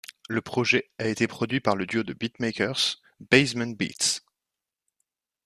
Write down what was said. Le projet a été produit par le duo de beatmakers Basement Beatzz.